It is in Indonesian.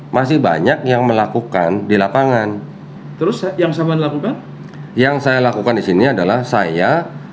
masih banyak yang melakukan di lapangan terus yang saya lakukan yang saya lakukan di sini adalah saya